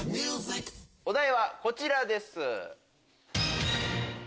お題はこちらです。